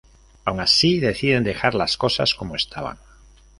Aun así, deciden dejar las cosas como estaban.